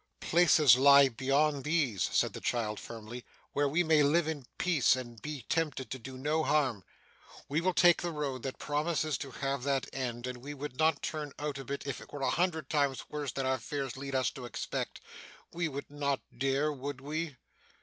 'Places lie beyond these,' said the child, firmly, 'where we may live in peace, and be tempted to do no harm. We will take the road that promises to have that end, and we would not turn out of it, if it were a hundred times worse than our fears lead us to expect. We would not, dear, would we?